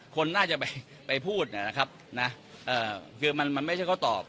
คนน่าจะไปไปพูดเนี้ยนะครับน่ะเอ่อคือมันมันไม่ใช่เขาตอบ